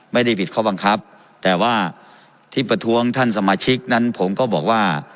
ไม่ได้ผิดข้อบังคับแต่ว่าที่ประท้วงท่านสมาชิกนั้นผมก็บอกว่า